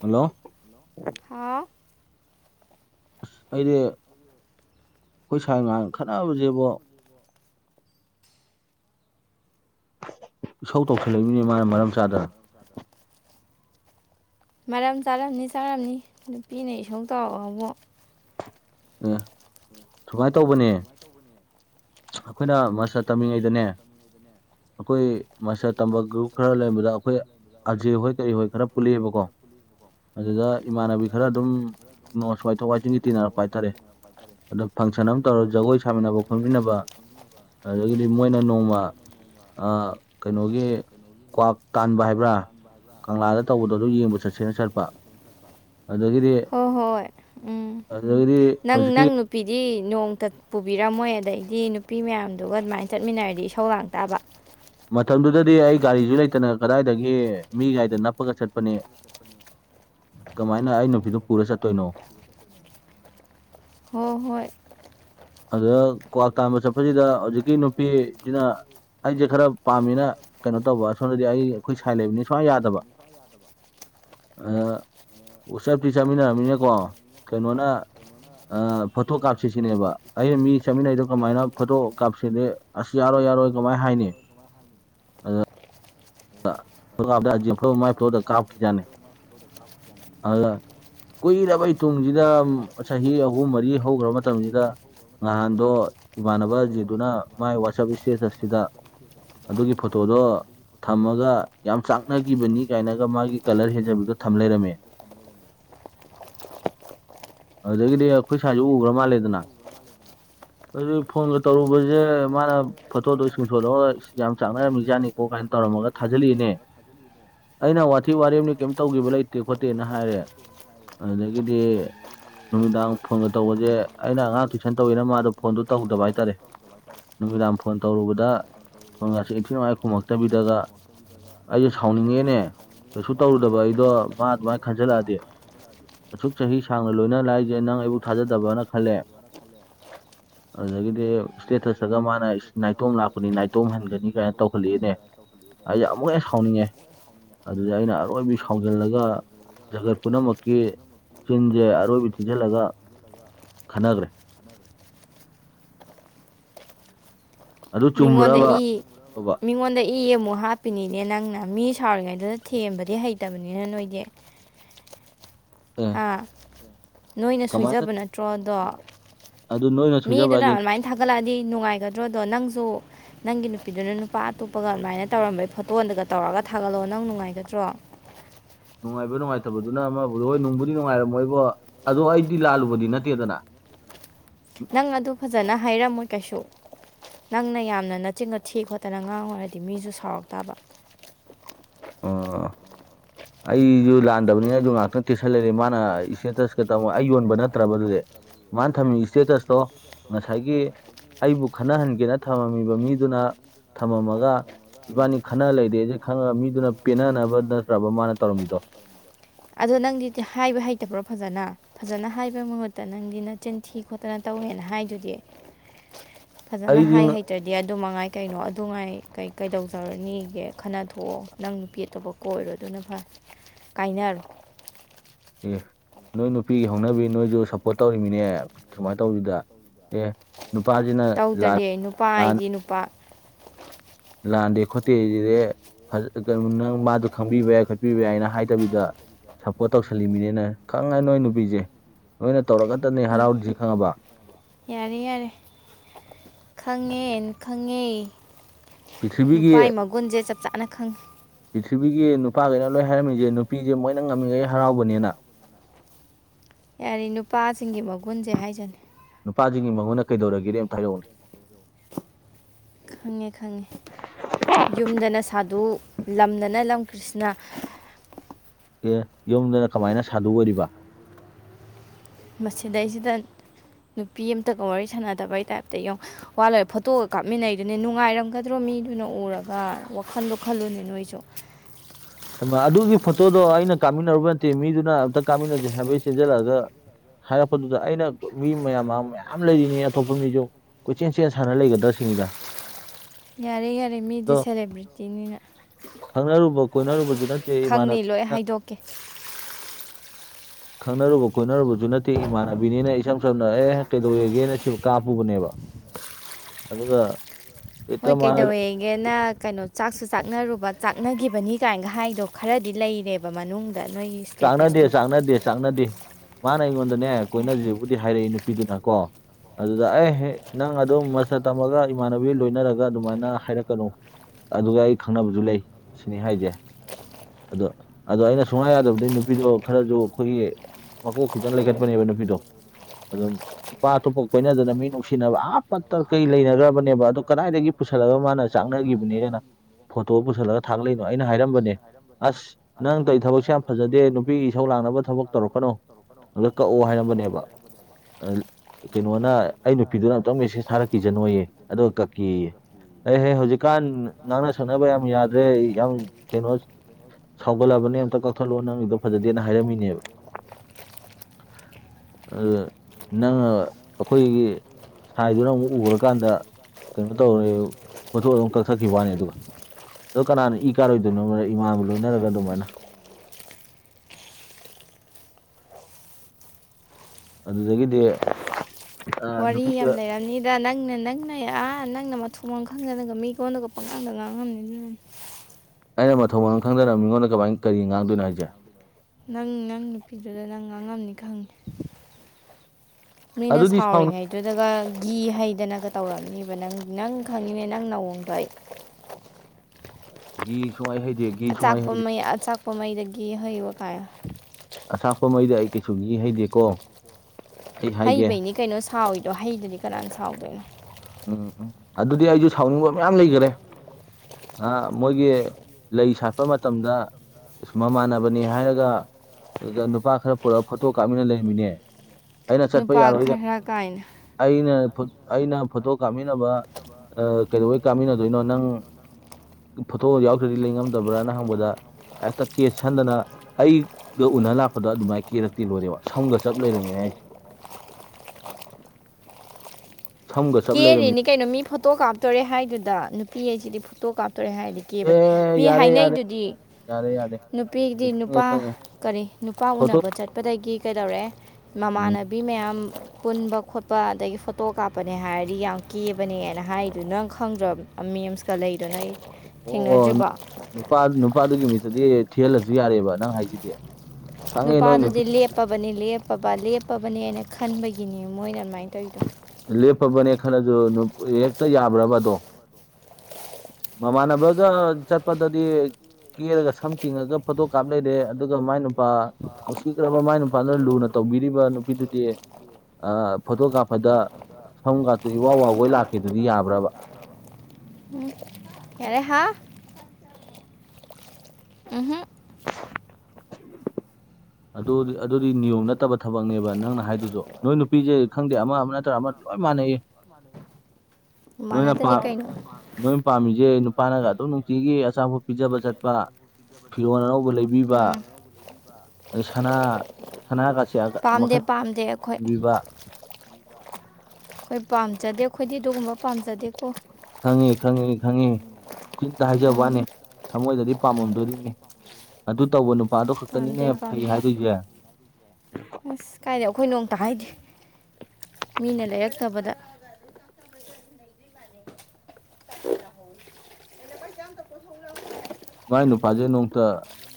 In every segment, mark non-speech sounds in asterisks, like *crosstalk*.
Hello. ꯍꯥꯥꯎ꯫ ꯑꯁ ꯑꯩꯗꯤ ꯑꯈꯣꯏ ꯁꯥꯏ ꯉꯍꯥꯟ ꯈꯠꯅꯕꯖꯤꯕꯣ꯫ ꯏꯁꯧ ꯇꯧꯁꯤꯜꯂꯛꯏꯅꯤꯅꯦ ꯃꯥꯅ ꯃꯔꯝ ꯆꯥꯗꯅ꯫ ꯃꯔꯝ ꯆꯥꯔꯝꯅꯤ ꯆꯥꯔꯝꯅꯤ ꯅꯨꯄꯤꯅ ꯏꯁꯧ ꯇꯧꯔꯛꯑꯕꯣ ꯑꯦ꯫ ꯁꯨꯃꯥꯏ ꯇꯧꯕꯅꯦ ꯑꯈꯣꯏꯅ ꯃꯁꯇ ꯇꯝꯃꯤꯉꯩꯗꯅꯦ ꯑꯈꯣꯏ ꯃꯁꯇ ꯇꯝꯕ ꯒ꯭ꯔꯨꯞ ꯈꯔ ꯂꯩꯔꯝꯕꯗ ꯑꯈꯣꯏ ꯑꯖꯦ ꯍꯣꯏ ꯀꯔꯤꯍꯣꯏ ꯈꯔ ꯄꯨꯜꯂꯛꯑꯦꯕꯀꯣ꯫ ꯑꯗꯨꯗ ꯏꯃꯥꯟꯅꯕꯤ ꯈꯔ ꯑꯗꯨꯝ ꯅꯣꯁ ꯋꯥꯏꯊꯣꯛ ꯋꯥꯏꯁꯤꯟ ꯒꯤ ꯇꯤꯟꯅꯔꯛꯄ ꯍꯥꯏꯇꯥꯔꯦ꯫ ꯑꯗ ꯐꯪꯁꯟ ꯑꯃ ꯇꯧꯔ ꯖꯒꯣꯏ ꯁꯥꯃꯤꯟꯅꯕ ꯈꯣꯠꯃꯤꯟꯅꯕ ꯑꯗꯒꯤꯗꯤ ꯃꯣꯏꯅ ꯅꯣꯡꯃ ꯑꯥ ꯀꯩꯅꯣꯒꯤ ꯀ꯭ꯋꯥꯛ ꯇꯥꯟꯕ ꯍꯥꯏꯕ꯭ꯔꯥ ꯀꯪꯂꯥꯗ ꯇꯧꯕꯗꯣ ꯑꯗꯨ ꯌꯦꯡꯕ ꯆꯠꯁꯦꯅ ꯆꯠꯄ ꯍꯣꯏ ꯍꯣꯏ ꯍꯣꯏ ꯎꯝ ꯑꯗꯒꯤꯗꯤ ꯅꯪ ꯍꯧꯖꯤꯛꯀꯤ ꯅꯪ ꯅꯨ ꯄꯤꯗꯤ ꯅꯣꯡꯇ ꯄꯨꯕꯤꯔꯝꯃꯣꯏ ꯑꯗꯩꯗꯤ ꯅꯨꯄꯤ ꯃꯌꯥꯝꯗꯨꯒ ꯑꯗꯨꯃꯥꯏꯅ ꯆꯠꯃꯤꯟꯅꯔꯗꯤ ꯏꯁꯧ ꯂꯥꯡ ꯇꯥꯕ ꯃꯇꯝꯗꯨꯗꯗꯤ ꯑꯩ ꯒꯥꯔꯤꯖꯨ ꯂꯩꯇꯅ ꯀꯗꯥꯏꯗꯒꯤ ꯃꯤ ꯒꯥꯥꯏꯗ ꯅꯞꯄꯒ ꯆꯠꯄꯅꯤ ꯀꯃꯥꯏꯅ ꯑꯩ ꯅꯨꯄꯤꯗꯣ ꯄꯨꯔ ꯆꯠꯇꯣꯏꯅꯣ ꯍꯣꯏ ꯍꯣꯏ ꯑꯗꯨꯗ ꯀ꯭ꯋꯥꯛ ꯇꯥꯟꯕ ꯆꯠꯄꯖꯤꯗ ꯍꯧꯖꯤꯛꯀꯤ ꯅꯨꯄꯤꯖꯤꯅ ꯑꯩꯖꯦ ꯈꯔ ꯄꯥꯝꯃꯤꯅ ꯀꯩꯅꯣ ꯇꯧꯕ ꯁꯣꯝꯗꯗꯤ ꯑꯩ ꯑꯩꯈꯣꯏ ꯁꯥꯏ ꯂꯩꯕꯅꯤ ꯁꯨꯌꯥ ꯌꯥꯗꯕ *unintelligible* ꯑꯣ ꯆꯞꯇꯤ ꯆꯥꯃꯤꯟꯅꯔꯝꯃꯤꯅꯀꯣ ꯀꯩꯅꯣꯅ ꯑ ꯐꯣꯇꯣ ꯀꯥꯞꯁꯤꯁꯤꯅꯦꯕ ꯑꯩꯅ ꯃꯤ ꯆꯠꯃꯤꯟꯅꯩꯗꯣ ꯀꯃꯥꯏꯅ ꯐꯣꯇꯣ ꯀꯥꯞꯁꯦꯗꯤ ꯑꯁ ꯌꯥꯔꯣꯏ ꯌꯥꯔꯣꯏ ꯀꯃꯥꯏ ꯍꯥꯏꯅꯤ *unintelligible* ꯀꯥꯞꯈꯤꯖꯥꯠꯅꯤ ꯑꯗ ꯀꯨꯏꯔꯕꯩ ꯇꯨꯡꯁꯤꯗ ꯆꯍꯤ ꯑꯍꯨꯝ ꯃꯔꯤ ꯍꯧꯈ꯭ꯔꯕ ꯃꯇꯝꯁꯤꯗ ꯉꯍꯥꯟꯗꯣ ꯏꯃꯥꯟꯅꯕ ꯖꯤꯗꯨꯅ ꯃꯥꯏ ꯋꯥꯆꯞ ꯏꯁꯇꯦꯇꯁꯁꯤꯗ ꯑꯗꯨꯒꯤ ꯐꯣꯇꯣꯗꯣ ꯊꯝꯃꯒ ꯌꯥꯝ ꯆꯥꯛꯅꯈꯤꯕꯅꯤ ꯀꯥꯏꯅꯒ ꯃꯥꯒꯤ ꯀꯂꯔ ꯍꯦꯟꯖꯕꯤꯗꯣ ꯊꯝ ꯂꯩꯔꯝꯃꯦ ꯑꯗꯨꯗꯒꯤꯗꯤ ꯑꯩꯈꯣꯏ ꯁꯥꯏꯁꯨ ꯎꯈ꯭ꯔ ꯃꯥꯜꯂꯦꯗꯅ *unintelligible* ꯑꯗꯨ ꯐꯣꯟꯒ ꯇꯧꯔꯨꯕꯁꯦ ꯃꯥꯅ ꯐꯣꯇꯣꯗꯣ ꯏꯁꯀ꯭ꯔꯤꯟꯁ‌ꯣꯠ ꯂꯧꯔꯒ ꯌꯥꯝ ꯆꯥꯟꯅꯔꯝꯃꯤꯖꯥꯠꯅꯤꯀꯣ ꯀꯥꯏꯅ ꯇꯧꯔꯝꯃꯒ ꯊꯥꯖꯤꯂꯛꯏꯅꯦ ꯑꯩꯅ ꯋꯥꯊꯤ ꯋꯥꯔꯦꯝꯗꯤ ꯀꯩꯝ ꯇꯧꯒꯤꯕ ꯂꯩꯇꯦ ꯈꯣꯠꯇꯦꯅ ꯍꯥꯏꯔꯦ ꯑꯗꯒꯤꯗꯤ ꯅꯨꯃꯤꯗꯥꯡ ꯐꯣꯟꯒ ꯇꯧꯕꯁꯦ ꯑꯩꯅ ꯑꯉꯥꯡ ꯇꯨꯏꯁꯟ ꯇꯧꯋꯤꯅ ꯃꯥꯗꯣ ꯐꯣꯟꯗꯣ ꯇꯧꯗꯕ ꯍꯥꯏꯇꯥꯔꯦ ꯅꯨꯃꯤꯗꯥꯡ ꯐꯣꯟ ꯇꯧꯔꯨꯕꯗ ꯐꯣꯟ ꯒꯁꯤ ꯏꯟꯊꯤ ꯉꯥꯏ ꯈꯨꯝꯃꯛꯇꯕꯤꯗꯒ ꯑꯩꯖꯦ ꯁꯥꯎꯅꯤꯡꯉꯦꯅꯦ ꯀꯩꯁꯨ ꯇꯧꯔꯨꯗꯕ ꯑꯩꯗꯣ ꯃꯥ ꯑꯗꯨꯃꯥꯏꯅ ꯈꯟꯖꯜꯂꯛꯑꯗꯤ ꯑꯁꯨꯛ ꯆꯍꯤ ꯁꯥꯡꯅ ꯂꯣꯏꯅ ꯂꯥꯏꯖꯦ ꯅꯪ ꯑꯩꯕꯨ ꯊꯥꯖꯗꯕꯅ ꯈꯜꯂꯦ ꯑꯗꯒꯤꯗꯤ ꯏꯁꯇꯦꯇꯁꯇꯒ ꯃꯥꯅ ꯏꯁ ꯅꯥꯏꯇꯣꯝ ꯂꯥꯛꯄꯅꯤ ꯅꯥꯏꯇꯣꯝ ꯍꯟꯒꯅꯤ ꯀꯥꯏꯅ ꯇꯧꯈꯠꯂꯛꯏꯅꯦ ꯑꯩ *unintelligible* ꯑꯃꯨꯛ ꯍꯦ ꯁꯥꯎꯅꯤꯡꯉꯦ ꯑꯗꯨꯗꯤ ꯑꯩꯅ ꯑꯔꯣꯏꯕꯤ ꯁꯥꯎꯖꯤꯜꯂꯒ ꯖꯒꯠ ꯄꯨꯝꯅꯃꯛꯀꯤ ꯆꯤꯟꯁꯦ ꯑꯔꯣꯏꯕꯤ ꯊꯤꯖꯤꯜꯂꯒ ꯈꯠꯅꯈ꯭ꯔꯦ ꯑꯗꯨ ꯃꯤꯉꯣꯟꯗ ꯆꯨꯝꯕ꯭ꯔꯕ ꯏ ꯃꯤꯉꯣꯟꯗ ꯏ ꯑꯃꯨꯛ ꯍꯥꯞꯄꯤꯅꯤꯅꯦ ꯅꯪꯅ ꯃꯤ ꯁꯥꯎꯔꯤꯉꯩꯗꯨꯗ ꯊꯦꯝꯕꯗꯤ ꯍꯩꯇꯕꯅꯤꯅ ꯅꯣꯏꯗꯤ ꯍꯥ *unintelligible* ꯅꯣꯏꯅ ꯀꯃꯥꯏꯅ ꯁꯣꯏꯖꯕ ꯅꯠꯇ꯭ꯔꯣꯗꯣ ꯑꯗꯨ ꯅꯣꯏꯅ ꯁꯣꯏꯖꯕ ꯃꯤꯗꯨꯅ ꯍꯥꯏꯁꯦ ꯑꯗꯨꯃꯥꯏꯅ ꯊꯥꯒꯠꯂꯛꯑꯗꯤ ꯅꯨꯡꯉꯥꯏꯒꯗ꯭ꯔꯗꯣ ꯅꯪꯁꯨ ꯅꯪꯒꯤ ꯅꯨꯄꯤꯗꯨꯅ ꯅꯨꯄꯥ ꯑꯇꯣꯞꯄꯒ ꯑꯗꯨꯃꯥꯏꯅ ꯇꯧꯔꯝꯕꯩ ꯐꯣꯇꯣꯗꯨꯒ ꯇꯧꯔꯒ ꯊꯥꯒꯠꯂꯛꯑꯣ ꯅꯪ ꯅꯨꯡꯉꯥꯏꯒꯗ꯭ꯔꯣ ꯅꯨꯡꯉꯥꯏꯕ ꯅꯨꯡꯉꯥꯏꯇꯕꯗꯨꯅ ꯑꯃꯕꯨ ꯍꯣꯏ ꯅꯨꯡꯕꯨꯗꯤ ꯅꯨꯡꯉꯥꯏꯔꯝꯃꯣꯏꯕꯣ ꯑꯗꯣ ꯑꯩꯗꯤ ꯂꯥꯜꯂꯨꯕꯗꯤ ꯅꯠꯇꯦꯗꯅ ꯅꯪ ꯑꯗꯨ ꯐꯖꯅ ꯍꯥꯏꯔꯝꯃꯣꯏ ꯀꯩꯁꯨ ꯅꯪꯅ ꯌꯥꯝꯅ ꯅꯆꯤꯟꯗ‌ꯣ ꯊꯤ ꯈꯣꯠꯇꯅ ꯉꯥꯡꯉꯨꯔꯗꯤ ꯃꯤꯁꯨ ꯁꯥꯎꯔꯛ ꯇꯥꯕ ꯑꯣ ꯑꯩꯖꯨ ꯂꯥꯟꯗꯕꯅꯤꯅ ꯑꯩꯖꯨ ꯉꯥꯛꯇꯪ ꯇꯦꯁꯜ ꯂꯩꯔ‌ꯦ ꯃꯥꯅ ꯏꯁꯇꯦꯇꯁꯀ ꯇꯧ ꯑꯩ ꯌꯣꯟꯕ ꯅꯠꯇ꯭ꯔꯕ ꯑꯗꯨꯗꯤ ꯃꯥꯅ ꯊꯝꯃꯤ ꯏꯁꯇꯦꯇꯁꯇꯣ ꯉꯁꯥꯏꯒꯤ ꯑꯩꯕꯨ ꯈꯠꯅꯍꯟꯒꯦꯅ ꯊꯝꯃꯝꯃꯤꯕ ꯃꯤꯗꯨꯅ ꯊꯝꯃꯝꯃꯒ ꯏꯕꯥꯅꯤ ꯈꯟꯅ ꯂꯩꯔꯦꯁꯦ ꯈꯪꯉꯒ ꯃꯤꯗꯨꯅ ꯄꯦꯟꯅꯅꯕ ꯅꯠꯇ꯭ꯔꯕ ꯃꯥꯅ ꯇꯧꯔꯝꯃꯤꯗꯣ ꯑꯗꯣ ꯅꯪꯗꯤꯗꯤ ꯍꯥꯏꯕ ꯍꯩꯇꯕ꯭ꯔꯣ ꯐꯖꯅ ꯐꯖꯅ ꯍꯥꯏꯕꯩ ꯃꯍꯨꯠꯇ ꯅꯪꯗꯤ ꯅꯆꯤꯟꯊꯤ ꯈꯣꯠꯇꯅ ꯇꯧꯋꯦꯅ ꯍꯥꯏꯗꯨꯗꯤ ꯐꯖꯅ ꯑꯩꯗꯤ ꯍꯥꯏ ꯍꯩ ꯇ꯭ꯔꯗꯤ ꯑꯗꯨ ꯃꯉꯥꯏ ꯀꯩꯅꯣ ꯑꯗꯨꯉꯥꯏ ꯀꯩ ꯀꯩꯗꯧꯖꯔꯨꯅꯤꯒꯦ ꯈꯟꯅꯊꯣꯛꯑꯣ ꯅꯪ ꯅꯨꯄꯤ ꯑꯇꯣꯞꯄ ꯀ‌ꯣꯏꯔꯣ ꯑꯗꯨꯅ ꯐꯔ‌ꯦ ꯀꯥꯏꯅꯔꯣ ꯑꯦ ꯅꯣꯏ ꯅꯨꯄꯤꯒꯤ ꯍꯧꯅꯕꯤ ꯅꯣꯏꯖꯨ ꯁꯞꯄꯣꯔꯠ ꯇꯧꯔꯤꯃꯤꯅꯦ ꯁꯨꯃꯥꯏꯅ ꯇꯧꯔꯤꯗ ꯑꯦ ꯅꯨꯄꯥꯁꯤꯅ ꯂꯥꯟ ꯇꯧꯗ꯭ꯔꯗꯤ ꯅꯨꯄꯥ ꯂꯥꯟ ꯍꯥꯏꯗꯤ ꯅꯨꯄꯥ ꯂꯥꯟꯗꯦ ꯈꯣꯠꯇꯦ ꯁꯤꯗꯤ ꯀꯩꯅꯣ ꯅꯪ ꯃꯥꯗꯣ ꯈꯪꯕꯤꯕ ꯌꯥꯏ ꯈꯣꯠꯄꯤꯕ ꯌꯥꯏꯅ ꯍꯥꯏꯗꯕꯤꯗ ꯁꯞꯄꯣꯔꯠ ꯇꯧꯁꯜꯂꯤꯃꯤꯅꯤꯅ‌ꯦ ꯈꯪꯉ‌ꯦ ꯅꯣꯏ ꯅꯨꯄꯤꯁꯦ ꯅꯣꯏꯅ ꯇꯧꯔ ꯈꯛꯇꯅꯦ ꯏ, ꯍꯔꯥꯎꯔꯤꯁꯤ ꯈꯪꯉꯕ ꯌꯥꯔꯦ ꯌꯥꯔꯦ ꯈꯪꯉꯦ ꯈꯪꯉꯦ ꯅꯨꯄꯥ ꯄ꯭ꯔꯤꯊꯤꯕꯤꯒꯤ ꯃꯒꯨꯟꯁꯦ ꯆꯞ ꯆꯥꯅ ꯈꯪꯉꯦ ꯄ꯭ꯔꯤꯊꯤꯕꯤꯒꯤ ꯅꯨꯄꯥꯈꯩꯅ ꯂꯣꯏ ꯍꯥꯏꯔꯝꯃꯤꯁꯦ ꯅꯨꯄꯤꯁꯦ ꯃꯣꯏꯅ ꯉꯝꯃꯤꯈꯩ ꯍꯔꯥꯎꯕꯅꯤꯅ ꯌꯥꯔ‌ꯦ ꯅꯨꯄꯥꯁꯤꯡꯒꯤ ꯃꯒꯨꯟꯁꯦ ꯍꯥꯏꯖꯅꯤ ꯅꯨꯄꯥꯁꯤꯡꯒꯤ ꯃꯉꯣꯟꯗ ꯀꯩꯗꯧꯔꯒꯦ ꯑꯝꯇ ꯍꯥꯏꯔꯛꯎꯅꯦ ꯈꯪꯉꯦ ꯈꯪꯉꯦ ꯌꯨꯝꯗꯅ ꯁꯥꯗꯨ ꯂꯝꯗꯅ ꯂꯝ ꯀ꯭ꯔꯤꯁꯅ ꯑꯦ ꯌꯨꯝꯗꯅ ꯀꯃꯥꯏꯅ ꯁꯥꯗꯨ ꯑꯣꯏꯔꯤꯕ ꯃꯁꯤꯗꯩꯁꯤꯗ ꯅꯨꯄꯤ ꯑꯝꯇꯒ ꯋꯥꯔꯤ ꯁꯥꯟꯅꯗꯕꯩ ꯇꯥꯏꯞꯇ ꯌꯦꯡꯑꫭ ꯋꯥꯠꯂꯣꯏꯔꯦ ꯐꯣꯇꯣꯒ ꯀꯥꯞꯃꯤꯟꯅꯩꯗꯨꯅꯦ ꯅꯨꯡꯉꯥꯏꯔꯝꯒꯗ꯭ꯔꯣ ꯃꯤꯗꯨꯅ ꯎꯔꯒ ꯋꯥꯈꯜꯗꯣ ꯈꯜꯂꯨꯅꯦ ꯅꯣꯏꯁꯨ꯫ ꯍꯥꯏꯃꯥ ꯑꯗꯨꯒꯤ ꯐꯣꯇꯣꯗꯣ ꯑꯩꯅ ꯀꯥꯃꯤꯟꯅꯔꯨꯕ ꯅꯠꯇꯦ ꯃꯤꯗꯨꯅ ꯑꯝꯇ ꯀꯥꯃꯤꯟꯅꯁꯦ ꯍꯥꯏꯕꯒꯤ ꯆꯦꯟꯖꯤꯜꯂꯛꯑꯒ꯫ ꯍꯥꯏꯔꯛꯄꯗꯨꯗ ꯑꯩꯅ ꯃꯤ ꯃꯌꯥꯝ ꯃꯌꯥꯝ ꯂꯩꯔꯤꯅꯤ ꯑꯇꯣꯞꯄ ꯃꯤꯁꯨ ꯀꯣꯏꯆꯦꯟ ꯆꯦꯟ ꯁꯥꯟꯅ ꯂꯩꯒꯗ꯭ꯔ ꯁꯤꯅꯤꯗ꯫ ꯌꯥꯔꯦ ꯌꯥꯔꯦ ꯑꯗꯣ ꯃꯤꯗꯤ ꯁꯦꯂꯦꯕ꯭ꯔꯤꯇꯤꯅꯤꯅ꯫ ꯀꯣꯏꯅꯔꯨꯕꯗꯨ ꯅꯠꯇꯦ ꯈꯪꯅꯤ ꯂꯣꯏ ꯏꯃꯥꯟꯅꯕꯤꯅ ꯍꯥꯏꯗꯣꯛꯀꯦ ꯈꯪꯅꯔꯨꯕ ꯀꫭꯏꯅꯔꯨꯕꯁꯨ ꯅꯠꯇꯦ ꯏꯃꯥꯟꯅꯕꯤꯅꯤꯅ ꯏꯆꯝ ꯆꯝꯅ ꯑꯦ ꯀꯩꯗꯧꯋꯦꯒꯦꯅ ꯁꯤꯕꯨ ꯀꯥꯞꯄꯨꯕꯅꯦꯕ꯫ ꯑꯗꯨꯒ ꯍꯦꯛꯇ ꯍꯣꯏ ꯃꯥꯅ ꯀꯧꯗꯧꯋ‌ꯦ ꯒꯦꯅ ꯀꯩꯅꯣ ꯆꯥꯛꯁꯨ ꯆꯥꯛꯅꯔꯨꯕ ꯆꯥꯛꯅꯈꯤꯕꯅꯤ ꯀꯥꯏꯅꯒ ꯍꯥꯏꯗꯣ ꯈꯔꯗꯤ ꯂꯩꯔꯦꯕ ꯃꯅꯨꯡꯗ ꯅꯣꯏꯒꯤ ꯆꯥꯛꯅꯗꯦ ꯏꯁꯇꯦꯇꯁꯇꯣ ꯆꯥꯛꯅꯗꯦ ꯆꯥꯛꯅꯗꯦ ꯃꯥꯅ ꯑꯩꯉꯣꯟꯗꯅꯦ ꯀꯣꯏꯅꯁꯤꯕꯨꯗꯤ ꯍꯥꯏꯔꯛꯏ ꯅꯨꯄꯤꯗꯨꯅ ꯀꯣ ꯑꯗꯨꯗ ꯑꯩ ꯍꯦꯛ ꯅꯪ ꯑꯗꯨꯝ ꯃꯥꯁꯇꯔ ꯇꯝꯃꯒ ꯏꯃꯥꯟꯅꯕꯤ ꯂꯣꯏꯅꯔꯒ ꯑꯗꯨꯃꯥꯏꯅ ꯍꯥꯏꯔꯛꯀꯅꯨ ꯑꯗꯨꯒ ꯑꯩ ꯈꯪꯅꯕꯁꯨ ꯂꯩ ꯁꯤꯅꯤ ꯍꯥꯏꯁꯦ ꯑꯗꯣ ꯑꯗꯣ ꯑꯩꯅ ꯁꯨꯡꯌꯥꯥ ꯌꯥꯗꯕ ꯑꯗꯩ ꯅꯨꯄꯤꯗꯣ ꯈꯔꯁꯨ ꯑꯩꯈꯣꯏꯒꯤ ꯃꯀꯣꯛ ꯈꯤꯇꯪ ꯂꯩꯈꯠꯄꯅꯦꯕ ꯅꯨꯄꯤꯗꯣ ꯑꯗꯨꯝ ꯅꯤꯄꯥ ꯑꯇꯣꯞꯄ ꯀꯣꯏꯅꯗꯅ ꯃꯤ ꯅꯨꯡꯁꯤꯅꯕ ꯑꯥ ꯄꯠ ꯇꯠꯈꯩ ꯂꯩꯅꯈ꯭ꯔꯕꯅꯦꯕ ꯑꯗꯨ ꯀꯗꯥꯏꯗꯒꯤ ꯄꯨꯁꯜꯂꯒ ꯃꯥꯅ ꯆꯥꯛꯅꯈꯤꯕꯅꯦꯗꯅ꯫ ꯐꯣꯇꯣ ꯄꯨꯁꯜꯂꯒ ꯊꯥꯒꯠꯂꯛꯏꯅꯣ ꯑꯩꯅ ꯍꯥꯏꯔꯝꯕꯅꯦ ꯑꯁ ꯅꯪ ꯇꯧꯔꯤ ꯊꯕꯛꯁꯦ ꯌꯥꯝ ꯐꯖꯗꯦ ꯅꯨꯄꯤꯒꯤ ꯏꯁꯧ ꯂꯥꯡꯅꯕ ꯊꯕꯛ ꯇꯧꯔꯛꯀꯅꯣ ꯑꯗꫭ ꯀꯛꯑꯣ ꯍꯥꯏꯔꯝꯕꯅꯦꯕ꯫ ꯑ ꯀꯩꯅꯣꯅ ꯑꯩ ꯅꯨꯄꯤꯗꯨꯅ ꯑꯨꯛꯇꯪ ꯃꯦꯁꯦꯁ ꯊꯥꯔꯛꯈꯤꯁꯅꯣꯌꯦ ꯑꯗꯨꯒ ꯀꯛꯀꯦꯌꯦ꯫ ꯑꯩꯍꯦ ꯍꯧꯖꯤꯛꯀꯥꯟ ꯉꯥꯡꯅ ꯁꯥꯟꯅꯕ ꯌꯥꯝ ꯌꯥꯗ꯭ꯔꯦ ꯑꯩ ꯌꯥꯝ ꯀꯩꯅꯣ ꯁꯥꯎꯒꯠꯂꯕꯅꯤ ꯑꯝꯇ ꯀꯛꯊꯠꯂꯣ ꯅꯪꯒꯤꯗꯣ ꯐꯖꯗꯦꯅ ꯍꯥꯏꯔꯝꯃꯤꯅꯦꯕ꯫ ꯑꯗꯨ ꯅꯪꯅ ꯑꯈꯣꯏꯒꯤ ꯁꯥꯏꯗꯨꯅ ꯑꯃꯨꯛ ꯎꯒ꯭ꯔꯀꯥꯟꯗ ꯀꯩꯅꯣ ꯇꯧꯔꯦ ꯄꯣꯊꯣꯗꫭ ꯑꯗꯨꯝ ꯀꯛꯊꯠꯈꯤꯕ ꯋꯥꯅꯤ ꯑꯗꯨꯒ꯫ ꯑꯗꯣ ꯀꯅꯥꯅ ꯏ ꯀꯥꯔꯣꯏꯗꯣꯏꯅꯣꯕ ꯏꯃꯥꯅꯕꯨ ꯂꯣꯏꯅꯔꯒ ꯑꯗꯨꯃꯥꯏꯅ꯫ ꯑꯗꯨꯗꯒꯤꯗꯤ ꯋꯥꯔꯤ ꯌꯥꯝ ꯅꯨꯄꯤꯗ ꯂꯩꯔꯝꯅꯤ꯫ ꯗ ꯅꯪꯅ ꯅꯪꯅ ꯑꯥ ꯅꯪꯅ ꯃ ꯊꯣꯡꯃꯥꯡ ꯈꯪꯗꯅ ꯅꯪꯅ ꯃꯤꯒꯣꯟꯗꯒ ꯄꯪꯉꯥꯡꯗ ꯉꯥꯡ ꯉꯝꯅꯤ꯫ ꯑꯩꯅ ꯃꯊꯧ ꯃꯔꯝ ꯈꯪꯗꯅ ꯃꯤꯉꯣꯟꯗ ꯀꯃꯥꯏꯅ ꯀꯔꯤ ꯉꯥꯡꯗꯣꯏꯅꯣ ꯍꯥꯏꯁꯦ꯫ ꯅꯪ ꯅꯪ ꯅꯨꯄꯤꯗꯨꯗ ꯅꯪ ꯉꯥꯡꯉꯝꯅꯤ ꯈꯪꯉꯦ꯫ ꯅꯣꯏꯅ ꯑꯗꯨꯗꯤ ꯁꯥꯎꯟ ꯁꯥꯎꯔꯤꯉꯩ ꯗꯨꯗꯒ ꯘꯤ ꯍꯩꯗꯅꯒ ꯇꯧꯔꯝꯅꯤꯕ ꯅꯪ ꯅꯪ ꯈꯪꯉꯤꯅꯦ ꯅꯪ ꯅꯑꯣꯡꯗꯣ ꯑꯩ꯫ ꯒꯤ ꯁꯨꯡꯍꯩ ꯍꯩꯗꯦ꯫ ꯒꯤ ꯁꯨꯡꯍꯩ ꯑꯆꯥꯛꯄ ꯍꯩꯗꯦ ꯃꯩ ꯑꯆꯥꯛꯄ ꯃꯩꯗ ꯒꯤ ꯍꯩꯕ ꯀꯥꯏ꯫ ꯑꯆꯥꯛꯄ ꯃꯩꯗ ꯑꯩ ꯀꯩꯁꯨ ꯒꯤ ꯍꯩꯗꯦꯀꯣ꯫ ꯑꯩ ꯍꯥꯏꯒꯦ ꯍꯩꯕꯩꯅꯤ ꯀꯩꯅꯣ ꯁꯥꯎꯏꯗꯣ ꯍꯩꯗꯗꯤ ꯀꯅꯥꯅ ꯁꯥꯎꯗꯣꯏꯅꯣ꯫ ꯎꯝ ꯎꯝ ꯑꯗꯨꯗꯤ ꯑꯩꯁꯨ ꯁꯥꯎꯅꯤꯡꯕ ꯃꯌꯥꯝ ꯂꯩꯈꯔꯦ꯫ ꯑ ꯃꯣꯏꯒꯤ ꯂꯩ ꯁꯥꯠꯄ ꯃꯇꯝꯗ ꯏꯁ ꯃꯃꯥꯟꯅꯕꯅꯤ ꯍꯥꯏꯔꯒ ꯑꯗꯨꯗ ꯅꯨꯄꯥ ꯈꯔ ꯄꯨꯔꯛ ꯐꯣꯇꯣ ꯀꯥꯞꯃꯤꯟꯅ ꯂꯩꯔꯝꯃꯤꯅꯦ ꯑꯩꯅ ꯆꯠꯄ ꯅꯨꯄꯥ ꯌꯥꯔꯣꯏꯒ ꯈꯔ ꯀꯥꯏꯅ ꯑꯩꯅ ꯐꫭꯠ ꯑꯩꯅ ꯐꯣꯇꯣ ꯀꯥꯞꯃꯤꯟꯅꯕ ꯀꯩꯗꯧꯕꯩ ꯀꯥꯞꯃꯤꯟꯅꯗꯣꯏꯅꯣ ꯅꯪ ꯐꯣꯇꯣ ꯌꯥꯎꯗ꯭ꯔꯗꯤ ꯂꯩꯉꯝꯗꯕ꯭ꯔꯅ ꯍꯪꯕꯗ ꯍꯦꯛꯇ ꯀꯦꯁꯟꯗꯅ ꯑꯩꯒ ꯎꯅ ꯂꯥꯛꯄꯗ ꯑꯗꯨꯃꯥꯏꯅ ꯀꯦꯔꯛꯇꯦ ꯂꯣꯏꯔꯦꯕ ꯁꯝꯒ ꯆꯞ ꯂꯩꯔꯝꯃꯤꯅꯦ ꯍꯥꯏꯁꯦ꯫ ꯁꯝꯒ ꯆꯞ ꯂꯩꯔꯝꯃꯤꯅꯦ ꯀꯦꯔꯤꯅꯤ ꯀꯩꯅꯣ ꯃꯤ ꯐꯣꯇꯣ ꯀꯥꯞꯇꯣꯔꯦ ꯍꯥꯏꯗꯨꯗ ꯅꯨꯄꯤ ꯑꯩꯁꯤꯗꯤ ꯐꯣꯇꯣ ꯀꯥꯞꯇꯣꯔꯦ ꯍꯥꯏꯗꯤ ꯀꯦꯕꯅꯦ ꯃꯤ ꯍꯥꯏꯅꯩꯗꯨꯗꯤ꯫ ꯌꯥꯔꯦ-ꯌꯥꯔꯦ꯫ ꯅꯨꯄꯤꯗꯤ ꯅꯨꯄꯥ ꯀꯔꯤ ꯅꯨꯄꯥ ꯐꯣꯇꯣ ꯎꯅꯕ ꯆꯠꯄꯗꯒꯤ ꯀꯩꯗꯧꯔꯦ ꯎꯝ ꯃꯃꯥꯟꯅꯕꯤ ꯃꯌꯥꯝ ꯄꯨꯟꯕ ꯈꯣꯠꯄ ꯑꯗꯒꯤ ꯐꯣꯇꯣ ꯀꯥꯞꯄ ꯅꯦ ꯍꯥꯏꯔꯗꯤ ꯌꯥꯝ ꯀꯦꯕꯅꯦꯅ ꯍꯥꯏꯗꯨ ꯅꯪ ꯈꯪꯗ꯭ꯔꯣ ꯑ ꯃꯦꯝꯁꯀ ꯂꯩꯗꯣ ꯅꯩ ꯑꯣ ꯑꯣ ꯅꯨꯄꯥ ꯅꯨꯄꯥꯗꯨꯒꯤ ꯃꯤꯠꯇꯗꯤ ꯊꯦꯜꯍꯜꯂꯁꯨ ꯌꯥꯔꯦꯕ ꯅꯪ ꯍꯥꯏꯁꯤꯗꯤ ꯈꯪꯉꯦ ꯅꯣꯏ ꯅꯨꯄꯥꯥꯗꯨꯗꯤ ꯅꯨꯄꯤ ꯂꯦꯞ ꯂꯦꯞꯄꯕꯅꯤ ꯂꯦꯞꯄꯕ ꯂꯦꯞꯄꯕꯅꯦꯅ ꯈꯟꯕꯒꯤꯅꯤ ꯃꯣꯏꯅ ꯑꯗꯨꯃꯥꯏꯅ ꯇꯧꯔꯤꯗꯣ ꯂꯦꯞꯄꯕꯅꯦ ꯈꯜꯂꯁꯨ ꯍꯦꯛꯇ ꯌꯥꯕ꯭ꯔꯕ ꯑꯗꯣ ꯃꯃꯥꯟꯅꯕꯒ ꯆꯠꯄꯗꯗꯤ ꯀꯦꯔꯒ ꯁꯝ ꯇꯤꯡꯉꯒ ꯐꯣꯇꯣ ꯀꯥꯞ ꯂꯩꯔꯦ ꯑꯗꯨꯒ ꯃꯥꯏ ꯅꯨꯄꯥ ꯅꯨꯡꯁꯤꯈ꯭ꯔꯕ ꯃꯥꯏ ꯅꯨꯄꯥꯅ ꯂꯨꯅ ꯇꯧꯕꯤꯔꯤꯕ ꯅꯨꯄꯤꯗꯨꯗꯤ ꯐꯣꯇꯣ ꯀꯥꯞꯄꯗ ꯁꯝꯒꯥꯇꯣ ꯏꯋꯥ ꯋꯥꯕꯣꯏ ꯂꯥꯛꯀꯦꯗꯨꯗꯤ ꯌꯥꯕ꯭ꯔꯕ ꯎꯝ꯫ ꯌꯥꯔꯦ ꯍꯥꯥ ꯎꯝꯍꯨꯝ ꯑꯗꯨꯗꯤ ꯑꯗꯨꯗꯤ ꯅꯤꯌꯣꯝ ꯅꯠꯇꯕ ꯊꯕꯛꯅꯦꯕ ꯅꯪꯅ ꯍꯥꯏꯗꯨꯁꯨ ꯅꯣꯏ ꯅꯨꯄꯤꯁꯦ ꯈꯪꯗꯦ ꯑꯃ ꯑꯃ ꯅꯠꯇ꯭ꯔ ꯑꯃ ꯂꯣꯏ ꯃꯥꯟꯅꯩ ꯂꯣꯏꯅ ꯄꯥ ꯃꯥꯟꯅꯗ꯭ꯔꯗꯤ ꯀꯩꯅꯣ ꯅꯣꯏꯅ ꯄꯥꯝꯃꯤꯁꯦ ꯅꯨꯄꯥꯅꯒ ꯑꯗꯨꯝ ꯅꯨꯡꯇꯤꯒꯤ ꯑꯆꯥꯄꫭꯠ ꯄꯤꯖꯕ ꯆꯠꯄ ꯐꯤꯔꯣꯟ ꯑꯅꯧꯕ ꯂꯩꯕꯤꯕ꯫ ꯎꯝ ꯁꯅꯥ ꯁꯅꯥꯒꯁꯤꯑꯒ ꯄꯥꯝꯗꯦ ꯃꯈꯟ ꯄꯥꯝꯗꯦ ꯑꯩꯈꯣꯏ ꯕꯤꯕ ꯑꯈꯣꯏ ꯄꯥꯝꯖꯗꯦ ꯈꯣꯏꯗꯤ ꯗꯨꯒꯨꯝꯕ ꯄꯥꯝꯖꯗꯦꯀꯣ꯫ ꯈꯪꯉꯤ ꯈꯪꯉꯤ ꯈꯪꯉꯤ ꯆꯤꯟꯗ ꯍꯥꯏꯖꯕ ꯎꯝ ꯋꯥꯅꯤ ꯊꯃꯣꯏꯗꯗꯤ ꯄꯥꯝꯃꯝꯗꯣꯔꯤꯕꯅꯤ ꯑꯗꯨ ꯇꯧꯕ ꯅꯨꯄꯥꯗꯣ ꯈꯛꯇꯅꯤꯅꯦ ꯄꯥꯝꯗꯦ ꯐꯩ ꯄꯥꯝꯗꯦ ꯍꯥꯏꯗꯣꯏꯁꯦ ꯑꯁ ꯀꯥꯏꯗꯩ ꯑꯩꯈꯣꯏ ꯅꯣꯡꯇ ꯍꯥꯏꯗꯦ ꯃꯤꯅ ꯂꯩꯔꯛꯇꯕꯗ ꯃꯥꯢ ꯅꯨꯄꯥꯁꯦ ꯅꯣꯡꯇ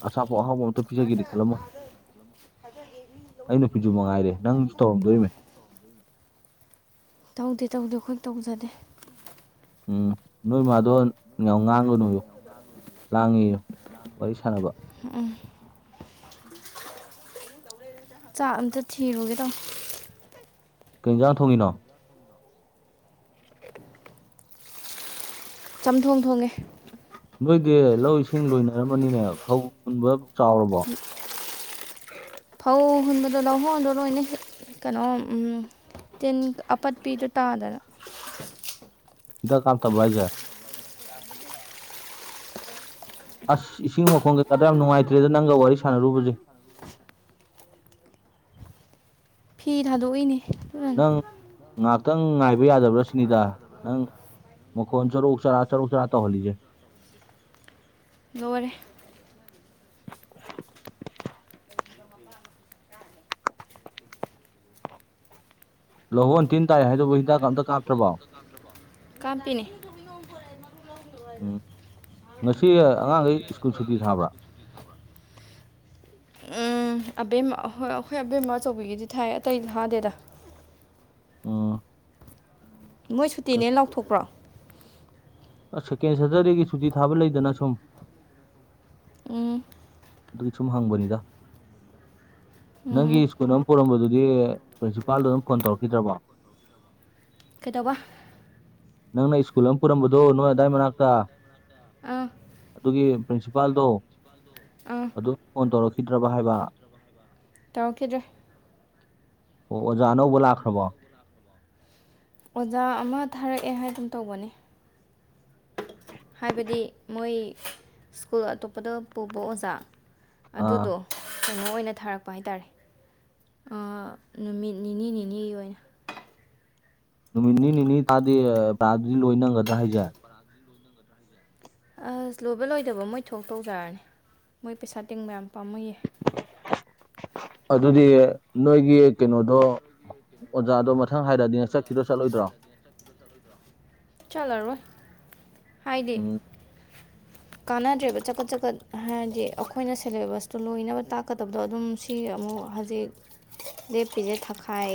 ꯑꯁꯥꯄꯣꯠ ꯑꯍꯥꯎꯕ ꯑꯝꯇ ꯄꯤꯖꯒꯦꯅ ꯈꯜꯂꯝꯃꯣꯏ ꯑꯗꯨꯗꯒꯤ ꯃꯤ *inaudible* ꯑꯩ ꯅꯨꯄꯤꯁꯨ ꯃꯉꯥꯏꯔꯦ ꯅꯪꯁꯨ ꯇꯧꯔꯝꯗꯣꯅꯦ ꯇꯧꯗꯦ ꯇꯧꯗꯦ ꯑꯩꯈꯣꯏ ꯇꯧꯖꯗꯦ ꯎꯝ ꯅꯣꯏ ꯃꯥꯗꯣ ꯌꯥꯝ ꯉꯥꯡꯒꯅꯨ ꯍꯥꯢꯌꯨ ꯂꯥꯡꯉꯤꯌꯨ ꯋꯥꯔꯤ ꯁꯥꯟꯅꯕ ꯎꯝ ꯎꯝ ꯆꯥꯛ ꯑꯝꯇ ꯊꯤꯔꯨꯒꯦ ꯇꯧ ꯀꯩ ꯌꯦꯟꯖꯥꯡ ꯊꯣꯡꯉꯤꯅꯣ ꯆꯝꯊꯣꯡ ꯊꯣꯡꯉꯦ ꯅꯣꯏꯗꯤ ꯂꯧ ꯏꯁꯤꯡ ꯂꯣꯏꯅꯔꯝꯃꯅꯤꯅꯦ ꯐꯧꯟ ꯍꯨꯟꯕ ꯆꯥꯎꯔꯕꯣ ꯐꯧ ꯍꯨꯟꯕꯗꯣ ꯂꯧꯍꯣꯡꯗꯣ ꯂꯣꯏꯅ ꯀꯩꯅꯣ ꯇꯤꯟ ꯑꯄꯠꯄꯤꯗꯣ ꯇꯥꯗꯅ ꯍꯤꯗꯥꯛ ꯀꯞꯇꯕꯔꯣ ꯍꯥꯏꯁꯤ꯫ ꯑꯁ ꯏꯁꯤꯡ ꯃꯈꯣꯡ ꯀꯩꯗꯣ ꯌꯥꯝ ꯅꯨꯡꯉꯥꯏꯇ꯭ꯔꯦꯗ ꯅꯪꯒ ꯋꯥꯔꯤ ꯁꯥꯟꯅꯔꯨꯕꯁꯦ ꯐꯤ ꯊꯥꯗꯣꯛꯏꯅꯦ ꯑꯗꯨꯅꯅꯦ ꯅꯪ ꯉꯥꯏꯍꯥꯛꯇꯪ ꯉꯥꯏꯕ ꯌꯥꯗꯕ꯭ꯔꯥ ꯁꯤꯅꯤꯗ ꯅꯪ ꯃꯈꯣꯟ ꯆꯔꯨꯛ ꯆꯔꯥ ꯆꯔꯨꯛ ꯆꯔꯥ ꯇꯧꯍꯜꯂꯤꯁꯦ ꯂꯣꯢꯔꯦ ꯂꯍꯣꯟ ꯇꯤꯟ ꯇꯥꯏ ꯍꯥꯏꯗꯨꯕꯨ ꯍꯤꯗꯥꯛꯒ ꯑꯝꯇ ꯀꯥꯞꯇ꯭ꯔꯕꯣ ꯀꯥꯞꯄꯤꯅꯦ ꯃꯔ *inaudible* ꯎꯝ ꯉꯁꯤ ꯑꯉꯥꯡꯈꯩ ꯁ꯭ꯀꯨꯜ ꯁꯨꯇꯤ ꯊꯥꯕ꯭ꯔꯥ ꯎꯝ ꯑꯕꯦꯝꯃ ꯑꯩꯈꯣꯏ ꯑꯕꯦꯝꯃ ꯑꯆꯧꯕꯤꯒꯤꯗꯤ ꯊꯥꯏ ꯑꯇꯩꯗꯤ ꯊꯥꯗꯦꯗ ꯑꯝ ꯃꯣꯢ ꯁꯨꯇꯦꯅꯦ ꯂꯥꯎꯊꯣꯛꯄ꯭ꯔꯣ ꯁꯦꯀꯦꯟ ꯁꯦꯇꯔꯗꯦꯒꯤ ꯁꯨꯇꯤ ꯊꯥꯕ ꯂꯩꯗꯅ ꯁꯨꯝ ꯎꯝ ꯑꯗꯨꯒꯤ ꯁꯨꯝ ꯍꯪꯕꯅꯤꯗ ꯎꯝ ꯅꯪꯒꯤ ꯎꯝ ꯁ꯭ꯀꯨꯜ ꯑꯃ ꯄꯨꯔꯝꯕꯗꯨꯗꯤ ꯄ꯭ꯔꯤꯟꯁꯤꯄꯥꯜꯗꯣ ꯑꯗꯨꯝ ꯐꯣꯟ ꯇꯧꯔꯛꯈꯤꯗ꯭ꯔꯕꯣ *unintelligible* ꯀꯩꯗꯧꯕ ꯅꯪꯅ ꯁ꯭ꯀꯨꯜ ꯑꯃ ꯄꯨꯔꯝꯕꯗꯣ ꯅꯣꯏ ꯑꯗꯥꯏ ꯃꯅꯥꯛꯇ ꯑꯥ ꯑꯗꯨꯒꯤ ꯄ꯭ꯔꯤꯟꯁꯤꯄꯥꯜꯗꯣ ꯑꯥ ꯑꯗꯨ ꯐꯣꯟ ꯇꯧꯔꯛꯈꯤꯗ꯭ꯔꯕ ꯍꯥꯏꯕ ꯇꯧꯔꯛꯈꯤꯗ꯭ꯔꯦ ꯑꯣ ꯑꯣꯖꯥ ꯑꯅꯧꯕ ꯂꯥꯛꯈ꯭ꯔꯕꯣ ꯑꯣꯖꯥ ꯑꯃ ꯊꯥꯔꯛꯑꯦ ꯍꯥꯏꯒꯨꯝ ꯇꯧꯕꯅꯦ ꯍꯥꯏꯕꯗꯤ ꯃꯣꯏ ꯁ꯭ꯀꯨꯜ ꯑꯇꯣꯞꯄꯗ ꯄꯨꯕ ꯑꯣꯖꯥ ꯑꯥ ꯑꯗꯨꯗꯣ ꯀꯩꯅꯣ ꯑꯣꯏꯅ ꯊꯥꯔꯛꯄ ꯍꯥꯏꯇꯥꯔꯦ ꯅꯨꯃꯤꯠ ꯅꯤꯅꯤ ꯅꯤꯅꯤꯒꯤ ꯑꯣꯏꯅ ꯅꯨꯃꯤꯠ ꯅꯤ ꯅꯤꯅꯤ ꯇꯥꯛꯑꯗꯤ ꯄꯔꯥꯗꯨꯗꯤ ꯂꯣꯏ ꯅꯪꯒꯗ꯭ꯔꯥ ꯍꯥꯏꯁꯦ ꯑꯁ ꯂꯣꯏꯕ ꯂꯣꯏꯗꯕ ꯃꯣꯏ ꯊꯣꯛ ꯇꯧꯖꯥꯔꯅꯤ ꯃꯣꯏ ꯄꯩꯁꯥ ꯇꯤꯡꯕ ꯌꯥꯝ ꯄꯥꯝꯃꯨꯢ ꯑꯗꯨꯗꯤ ꯅꯣꯏꯒꯤ ꯀꯩꯅꯣꯗꯣ ꯑꯣꯖꯥꯗꯣ ꯃ ꯃꯊꯪ ꯍꯥꯏꯔꯗꯤ ꯅꯪ ꯆꯠꯈꯤ꯭ꯔꯣ ꯆꯠꯂꯣꯏꯗ꯭ꯔꯣ ꯆꯠꯂꯔꯣꯏ ꯍꯥꯏꯗꯤ ꯎꯝ *unintelligible* ꯀꯥꯟꯅꯗ꯭ꯔꯦꯕ ꯆꯀꯠ ꯆꯀꯠ ꯍꯥꯏꯔꯗꯤ ꯑꯩꯈꯣꯏꯅ ꯁꯦꯂꯦꯕꯁꯇꯣ ꯂꯣꯏꯅꯕ ꯇꯥꯛꯀꯗꯕꯗꯣ ꯑꯗꯨꯝ ꯁꯤ ꯑꯃꯨꯛ ꯍꯧꯖꯤꯛ ꯂꯦꯞꯄꯤꯁꯦ ꯊꯛꯈꯥꯏ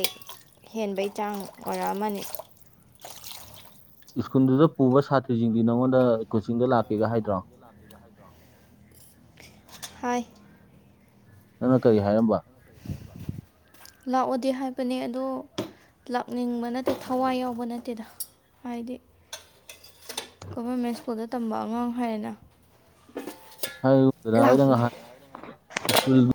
ꯍꯦꯟꯕꯩ ꯆꯥꯡ ꯑꯣꯏꯔꯛ ꯑꯝꯃꯅꯤ ꯁ꯭ꯀꯨꯜꯗꯨꯗ ꯄꯨꯕ ꯁꯥꯇ꯭ꯔꯤꯁꯤꯡꯗꯤ ꯅꯪꯉꯣꯟꯗ ꯀꯣꯆꯤꯡꯗ ꯂꯥꯛꯀꯦꯒ ꯍꯥꯏꯗ꯭ꯔꯣ ꯍꯥꯏ ꯅꯪꯅ ꯀꯔꯤ ꯍꯥꯏꯔꯝꯕ ꯂꯥꯛꯑꯣꯗꯤ ꯍꯥꯏꯕꯅꯦ ꯑꯗꯣ ꯂꯥꯛꯅꯤꯡꯕ ꯅꯠꯇꯦ ꯊꯋꯥꯏ ꯌꯥꯎꯕ ꯅꯠꯇꯦꯗ ꯍꯥꯏꯗꯤ ꯒꯚꯔꯃꯦꯟ ꯁ꯭ꯀꯨꯜꯗ ꯇꯝꯕ ꯑꯉꯥꯡ ꯍꯥꯏꯔꯦꯅ ꯔ ꯂꯥꯛ ꯍꯥꯏ ꯁꯀꯨ *inaudible*